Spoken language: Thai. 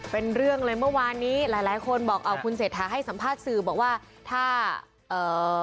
เป็นเรื่องเลยเมื่อวานนี้หลายหลายคนบอกเอาคุณเศรษฐาให้สัมภาษณ์สื่อบอกว่าถ้าเอ่อ